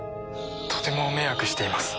とても迷惑しています。